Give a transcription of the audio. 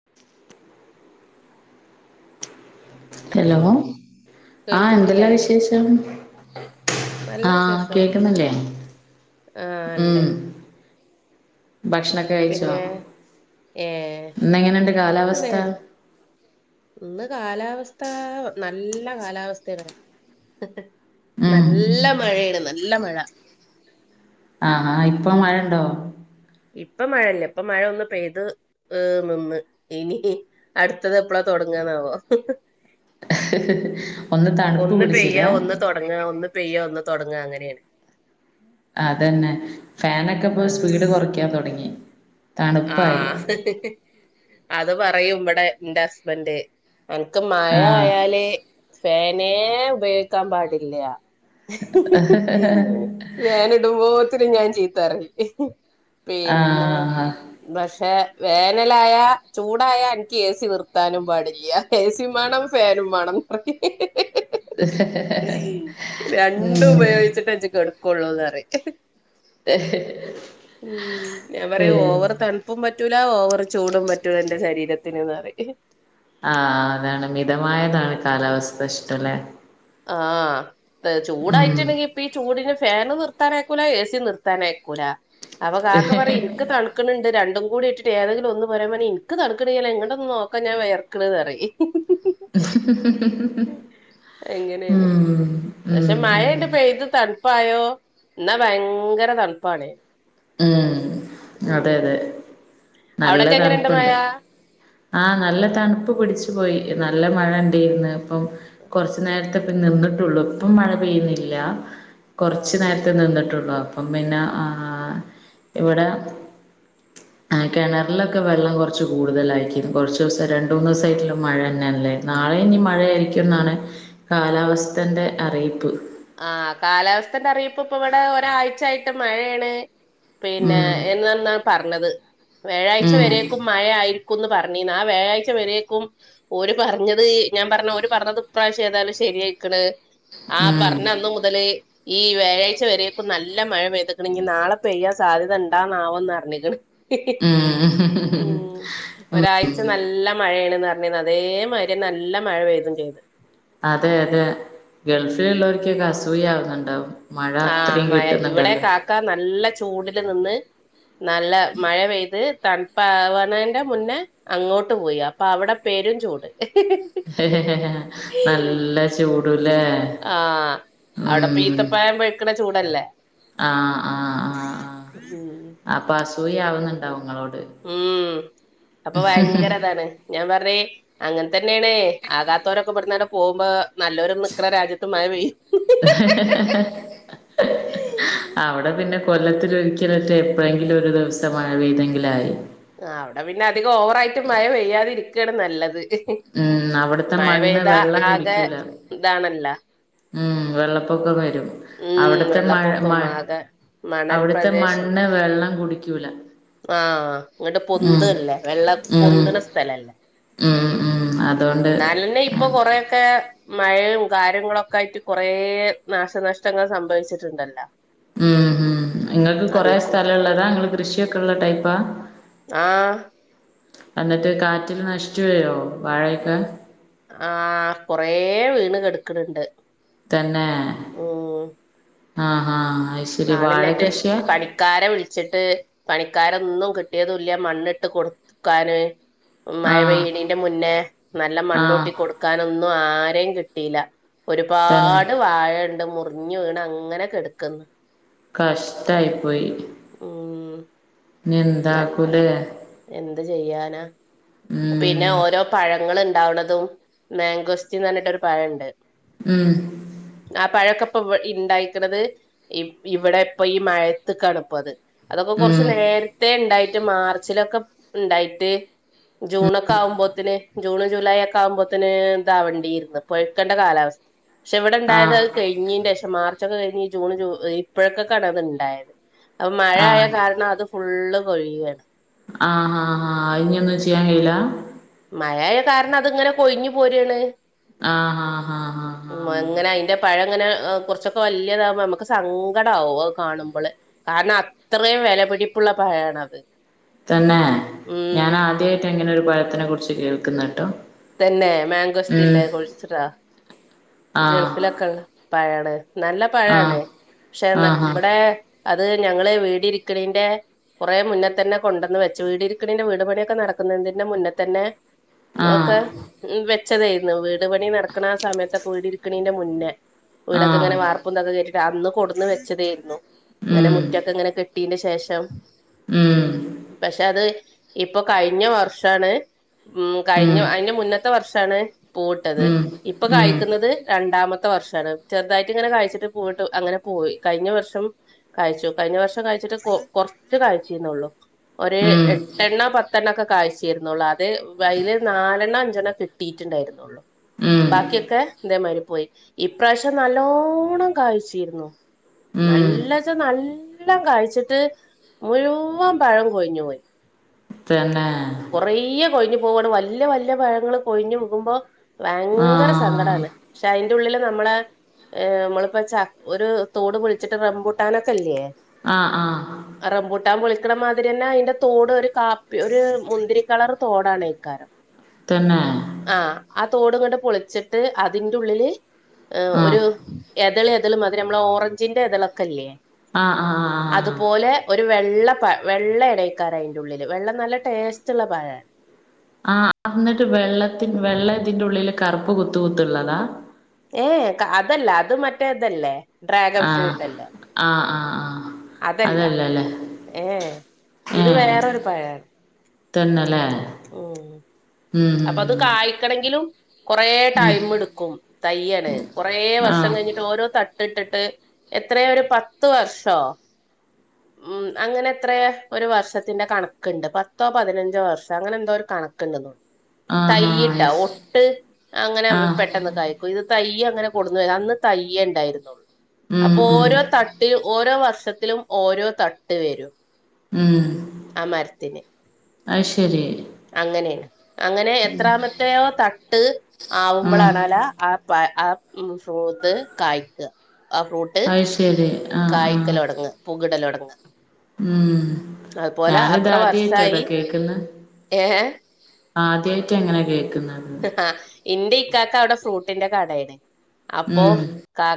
[inaudible] Hello ആഹ് എന്തെല്ലാ കേൾക്കുന്നില്ലേ വിശേഷം നല്ല ആഹ് വിശേഷം കേക്കുന്നുണ്ടേ ആ ഉം ഉണ്ട് ഭക്ഷണൊക്കെ കഴിച്ചോ പിന്നെ ഏ ഇന്ന് എങ്ങനെയുണ്ട് കാലാവസ്ഥ പിന്നെ ഇന്ന് കാലാവസ്ഥ നല്ല കാലാവസ്ഥയാണ് ഉം നല്ല മഴയാണ് നല്ല മഴ ആഹ് ആഹ് ഇപ്പൊ മഴ ഉണ്ടോ ഇപ്പൊ മഴയില്ല ഇപ്പ മഴ ഒന്ന് പെയ്ത് ഏഹ് ഒന്ന് ഇനി അടുത്തത് എപ്പളാ തുടങ്ങാനാവോ [unintelligible] ഒന്ന് തണുപ്പ് പിടിച്ചില്ലേ തൊടങ്ങ ഒന്ന് പെയ്യ ഒന്ന് തൊടങ്ങ അങ്ങനേണ് അതന്നെ ഫാനൊക്കെ ഇപ്പോ സ്പീഡ് കൊറയ്ക്കാൻ തൊടങ്ങി തണുപ്പായി [unintelligible] അത് പറയും ഇവിടെ എന്റെ ഹസ്ബൻഡ് എനക്ക് മഴ ആ ആയാല് ഫാനേ ഉപയോഗിക്കാൻ പാടില്ല [unintelligible] ഫാനിടുമ്പോ ഒത്തിരി ഞാൻ ചീത്താ പറയും ആ പിന്ന പക്ഷെ വേനലായാ ചൂടായാ എനിക്ക് എ സി നിർത്താനും പാടില്ല എ സിയും വേണം ഫാനും വേണം [unintelligible] രണ്ടും ഉപയോഗിച്ചിട്ടെ ഇജ്ജ് കെടക്കുള്ളൂന്ന് പറയും ഉം ഞാൻ പി പറയും ഓവർ തണുപ്പും പറ്റൂല ഓവർ ചൂടും പറ്റൂല എന്റെ ശരീരത്തിന്ന് ന്ന് പറയും ആഹ് അതാണ് മിതമായതാണ് കാലാവസ്ഥ ഇഷ്ടല്ലെ ആഹ് ഉം ചൂടായിട്ടുണ്ടെങ്കി ഇപ്പ ഈ ചൂടിന് ഫൻ നിർ നിർത്താന അയക്കൂല ഏസി നിർത്താന യക്കൂല അപകാക്ക പറ ഇക്ക തണക്ക്ണ്ട്രണ്ടും കൂടി ഇട്ടിട്ട് ഏതെങ്കിലും ഒന്ന് പോര എനിക്ക് തണുക്കണ്യാ ങ്ങട്ടൊന്ന് നോക്കാ ഞാ വിയർക്കണ പറ [unintelligible] എങ്ങനെയാണ് ഉം ഉം പക്ഷെ ഉം മഴണ്ട് പെയ്ത് ത പ്പായോ എന്നാ ഭയങ്കര തണപ്പാണ് ഉം അതെ അതെ നല്ല അവിടൊക്കെ എങ്ങനെയുണ്ട് മഴ തണുപ്പുണ്ട് ആഹ് നല്ല തണുപ്പ് പിടിച്ചു പോയി നല്ല മഴ ഉന്ഡർന്ന് അപ്പം കുറച്ചു നേരത്തെ പം നിന്നിട്ടുള്ള ഇപ്പം മഴ പെയ്യുന്നില്ല കുറച്ച ആഹ് നേര ത് നിന്നിട്ടുള്ളൂ അപ്പം പിന്നെ ഇവിടെ കിണറിലൊക്കെ വെള്ളം കുറച്ച് കൂടുതലായിരിക്കരുന്നു കുറച്ച് ദിവസം രണ്ട് മൂന്ന് ദിവസമായിട്ടുള്ള മഴ തന്നെയല്ലേ നാളെ ഇനി മഴയായിരിക്കും ന്നാണ് കാലാവസ്ഥന്റെ അറിയിപ്പ് ആഹ് കാലാവസ്ഥന്റെ അറിയിപ്പ ഇപ്പ ഇവിടെ ഒരാഴ്ചായിട്ട് മഴയാണ് പിന്നെ ഉം എന്നാണ് പറഞ്ഞത് വ്യാഴാഴ്ച ഉം വരേക്കും മഴ ആയിരിക്കുംന്ന് പറഞ്ഞിന്ന ആഹ് വ്യാഴാഴ്ച വരേക്കും ഓര് പറഞ്ഞത് ഞാൻ പറഞ്ഞര് പറഞ്ഞത് ഇപ്രാവശ്യം ഏതാലും ശരിയയിക്കണ് ഉം മുതൽ ഈ വ്യാഴാഴ്ച വരെപ്പൊ നല്ല മഴ പെയ്തിക്കണെ നാളെ പെയ്യാൻ സാധ്യത ഉണ്ടാവന്നാവറിഞ്ഞിക്കണ [unintelligible] ഉം ഉം ഒരാഴ്ച നല്ല മഴയണന്ന് പറഞീനി അതേമാതിരി നല്ല മഴ പെയ്യും ചെയ്ത് അതെ അതെ ഉം ഗൾഫിലുള്ളവർക്കൊക്കെ അസൂയാവുന്നുണ്ടാവും മഴ അത്രയും കിട്ടുന്നുല്ലല്ലോ ക്ക നല്ല ചൂടില് നിന്ന് നല്ല മഴ പെയ്ത് തണുപാവാണെന്റെ മുന്നേ അങ്ങോട്ട് പോയി അപ്പൊ അവിടെ പെരും ചൂട് [unintelligible] നല്ല ചൂടുല്ലേ ആഹ് അവിടെപ്പ ഉം ഈത്തപ്പയം പഴക്കണ ചൂടല്ലേ ആഹ് ആഹ് ആഹ് ആഹ് [unintelligible] ഉം അപ്പൊ അസൂയയാവുന്നുണ്ടാവും ങ്ങളോട് ഉം അപ്പൊ ഭയങ്കരതാണ് ഞാൻ പറഞ്ഞ അങ്ങനെതന്നെയണേ ആകാത്തവരൊക്കെ ഇവിടുന്നങ്ങട് പോകുമ്പോ നല്ലൊരു നിക്കുന്ന രാജ്യത്ത് മഴ പെയ്യും [unintelligible] അവിടെ പിന്നെ കൊല്ലത്തിലൊരിക്കലറ്റെ എപ്പഴെങ്കിലും ഒരു ദിവസം മഴപൈ ത തെങ്കിലയി ആ അവിടെ പിന്നെ അധികം ഓവറായിട്ട് മഴ പെയ്യാതിരിക്കണ് നല്ലത് ഉം അവിടുത്തെ മഴ മണ്ണ് പെയ്താ വെള്ളം ആകെ കുടിക്കൂല ഇതാണല്ല ഉം വെള്ളപ്പൊക്കവരും ഉം അവിടുത്തെ മഴ വെള്ളപ്പൊക്കം മ ആകെ മണൽ അവിടുത്തെ പ്രദേശല്ലേ മണ്ണ് വെള്ളം കുടിക്കൂല ആഹ് ഇങ്ങട്ട് ഉം പൊന്തല്ലേ വെള്ള ഉം പൊന്തണ സ്ഥലല്ലേ ഉം ഉം. ഉം അതോണ്ട് ന്നാലന്നെഇ ഇപ്പൊ കൊറൊക്കെ മഴയും കാര്യങ്ങളൊക്കെ ആയിട്ട് കുറ നാശനഷ്ട ഷ്ടങ്ങൾ സംഭവിച്ചിട്ടുണ്ടല്ലോ ഉംഉം ങ്ങൾക്ക് അതീ കൊറെ കൂടി സ്ഥല ഉള്ളതാ നിങ്ങൾ കൃഷിയൊക്കെള്ള ടൈപ്പാ ആഹ് എന്നിട്ട് കാറ്റിൽ നഷിച്ച് വീഴോ വാഴയൊക്കെ. ആഹ് കൊറേ വീണ് കെട്ക്ക്ണണ്ട്. തന്നെ ആഹ് ആഹ് അയ് ശരി വാഴ ആളില്ലായിട്ട് കൃഷിയാ. പണിക്കാരെ വിളിച്ചിട്ട് പണിക്കാരൊന്നും കിട്ടിയതുല്ല മണ്ണിട്ട് കൊടുക്കാന്. ആഹ് മഴപെഴിണീന്റെ മുന്നേ നല്ല മണ്ണൂട്ടി ആഹ് കൊടുക്കാനൊന്നും ആരെയും കിട്ടിയില്ല. തന്നെ ഒരുപാട് വാഴണ്ട് മുറിഞ്ഞു വീണ് അങ്ങനെകെടക്ക്ന്ന്. കഷ്ടായി പോയി. ഉം. നല്ല എന്താക്കുലേ. എന്ത് ചെയ്യാനാ. പിന്നെ ഉം ഓരോ പഴങ്ങൾ ഇണ്ടാവ്ണതും മാങ്കോസ്റ്റിൻ പറഞ്ഞിട്ടൊരു പഴണ്ട്. ഉം. ആഹ് പഴക്കപ്പം ഇവിടെ ഇണ്ടായിക്കണത്. ഇ ഇവിടെ ഇപ്പൊ ഈ മഴത്ത്ക്കാണ് ഇപ്പ അത്. അതൊക്കെ ഉം കുറച്ച് നേരത്തെ ഇണ്ടായിട്ട് മാർച്ചിലൊക്കെ ഇണ്ടായിട്ട് ജൂണൊക്കെ ആകുമ്പോത്തിന്. ജൂണ് ജൂലൈ ഒക്കെ ആകുമ്പോത്തിന് ദാവണ്ടീർന്ന് പഴ്കെണ്ട കാലാവസ്ഥ പക്ഷെ ഇവിടെ ഇണ്ടായത് ആഹ് അയ് കഴിഞ്ഞീന്റെ ശേഷം മാർച്ചൊക്കെ കഴിഞ്ഞ് ജൂൺ ജൂ ഇപ്പോഴക്കൊക്കാണ് അത് ഇണ്ടായത്. അപ്പൊ മഴ ആയ ആഹ് കാരണം അത് ഫുള്ള് കൊഴിയാണ്. ആഹ് ആഹ് ആഹ് അയ്ഇനി ഒന്നും ചെയ്യാൻ കഴിയില. മഴായ കാരണം അത് ങ്ങനെ കൊഴിഞ്ഞു പോരാണ്. ആഹ് ഹാ ആഹ ഹ ഉം എങ്ങനെ അയിന്റെ പഴംങ്ങനെ കുറച്ചൊക്കെ വലിയതാകുമ്പോ നമുക്ക് സങ്കടവും അത് കാണുമ്പോള് കാരണം അത്രയും വിലപിടിപ്പുള്ള പഴണത് തന്നെ ഞാൻ ആദ്യായിട്ട ഇങ്ങനെ ഒരു പഴത്തിനെ കുറിച്ച് കേൾക്കുന്നെട്ടോ. തന്നെ മാങ്കോസ്ത്തിന്റെ [unintelligible] ആ ഗൾഫിലൊക്കെള്ള പഴാണ് നല്ല ആ പഴാണ് പക്ഷെ ആഹാ ഇവിടെ. അത് ഞങ്ങള് വീട് ഇരിക്കണേന്റെ കുറേ മുന്നെ തന്നെ കൊണ്ടന്ന് വെച്ചു വീടി ഇരിക്കണിന്റെ വീട്പണിയൊക്കെ നടക്കുന്നതിന്റെ മുന്നെ തന്നെ ആ ഒക്കെ ഉം വെച്ചതെർന്ന് വീട്പണി നടക്കണ ആ ഹ് സമയത്തൊക്കെ വീട് ഇരിക്കണീന്റെ മുന്നേ. ആ ആ വീടൊക്കെ ഇങ്ങനെ വർപ്പുംഇതൊക്കെ കഴിഞ്ഞിട്ട് അന്ന് കൊട്ന്ന് വെച്ചെതെർന്നു ങ്ങനെ ഉം മുറ്റൊക്കെ ഇങ്ങനെ കെ കുട്ടീന്റെ ശേഷം ഉം പക്ഷെ അത് ഇപ്പൊ കഴിഞ്ഞ വർഷാണ് ഉം കഴിഞ്ഞ അതിന്റെ മുന്ന മുന്നത്തെ വർഷാണ് പൂവ്ട്ടത് ഉം ഇപ്പൊ കായ് ഉം കിട്ടുന്നത് രണ്ടാമത്തെ വർഷാണ് ചെറുതായിട്ട് ഇങ്ങനെ കഴ്ച്ചിട്ട് പൂവ്ട്ട് അങ്ങനെ പോയി കഴിഞ്ഞ വർഷം കായ്ച്ചു കഴിഞ്ഞ വർഷം കായ്ച്ചിട്ട് കൊ കൊറച്ച് കായ്ച്ചിന്നൊള്ളു. ഒരു ഉം എട്ടെണ്ണ പത്തെണ്ണം ഒക്കെ കായ്ച്ചിരുന്നൊള്ളൂ അത് അയില് നാലെണ്ണ അഞ്ചെണ്ണ കി കിട്ടീട്ട്ണ്ടായിരുന്നുള്ളു ഉം ബാക്കിയൊക്കെ. ഇതേമാതിരി പോയി ഇപ്രാവശ്യം നല്ലോണം കാഴ്ചിരുന്നു. ഉം നല്ലച്ച നല്ലം കായ്ച്ചിട്ട് മുഴുവൻ പഴം കൊഴിഞ്ഞു പോയി. തന്നെ. കൊറേ കൊഴിഞ്ഞ് പോവാണ് വല്ല്യ വല്ല്യ പഴങ്ങള് കൊഴിഞ്ഞ് വികുമ്പോ ആ ഭയങ്കര സങ്കടാണ് പക്ഷെ അയിന്റെ ഉള്ളില് നമ്മളെ ഏ മ്മളിപ്പോ ച ഒരു തോട് പൊളിച്ചിട്ട് റമ്പൂട്ടാനൊക്കെല്ലേ ആഹ് ആഹ് റമ്പൂട്ടാൻ പൊളിക്കണ മാതിരിന്നെ അതിന്റെ തോട് ഒരു കാപ്പി ഒരു മുന്തിരി കളർ തോടാണെക്കാരം. തന്നെ. ആഹ് ആഹ് തോട്ങ്ങണ്ട് പൊളിച്ചിട്ട് അതിന്റെ ഉള്ളില് എ ആ ഒരു എതൾ എതൾ മാതിരി നമ്മളെ ഓറഞ്ചിന്റെ ഇതളൊക്കെല്ലേ ആഹ് ആഹ് ആഹ് അതുപോലെ ഒരു വെള്ള വെള്ളെണെകാരം അയിൻ്റെ ഉള്ളില് വെള്ളം നല്ല ടേസ് [unintelligible] റ്റുള്ള പഴാണ്. ആഹ് അന്നിട്ട് വെള്ളത്തി വെള്ള ഇതിന്റുള്ളില് കറുപ്പ് കുത്ത് കുത്തുള്ളതാ? ഏഹ് അതല്ല അത് മറ്റേതല്ലേ ഡ്രാഗൺ ഫ്രൂട്ട് അല്ലേ? ആഹ് ആഹ് ആഹ്. അതല്ല ഏഹ് ഇത് വേറൊരു പഴാണ്. തന്നല്ലെ? ഉം അപ്പൊ അത് കായ്ക്കണങ്കിലും കൊറേ ഉം ഉം ടൈം എടുക്കും തയ്യണ് കൊറേ വർഷം ആഹ് കയ്ഞ്ഞിട്ട് ഓരോ തട്ട് ഇട്ടിട്ട്. എത്രയ ഒരു പത്ത് വർഷോ? ഉം അങ്ങനെ എത്രയ ഒരു വർഷത്തിന്റെ കണക്ക്ണ്ട് പത്തോ പതിനഞ്ചോ വർഷ അങ്ങനെ എന്തോ ഒരു കണ [unintelligible] ആഹാ തയ്യിട്ടാ അയ്ശ് ഒട്ട് അങ്ങനെ ആഹ് പെട്ടെന്ന് കായ്ക്കും ഇത് തയ്യങ്ങനെ കൊടുന്ന് വ അന്ന് തയ്യേണ്ടായിരുന്നുള്ളു. ഉം അപ്പൊ ഉം ഓരോ തട്ടിൽ ഓരോ വർഷത്തിലും ഓരോ തട്ട് വരും. ഉം. ആ മരത്തിന് അയ്‌ശെരി. അങ്ങനെയണ് അങ്ങനെ എത്രാമത്തെയോ തട്ട് ഉം ആവുമ്പോളാണാലാ ആ പ ആ ഉം ഫ്രൂത്ത് കായ്ക്കുക. ആ ഫ്രൂട്ട് അയ്ശരി ആഹ് കായ്ക്കലൊടങ്ങ് പുകിടലൊടങ്ങ്. മ്ഉം അത്ര ഞാനിതാദ്യേട്ടോ വർഷായി കേക്കന്നെ. ഏ ആദ്യയായിട്ട ഇങ്ങനെ കേക്ക്ന്നത്. ആഹ് ഇന്റെ ഇക്കാക്ക അവിടെ ഫ്രൂട്ടിന്റെ കടയാണ് അപ്പൊ. ഉം